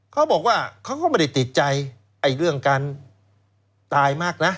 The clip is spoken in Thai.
เขาก็ไม่ได้ติดใจเรื่องการตายมากนะ